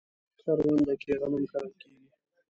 کرونده کې غنم کرل کیږي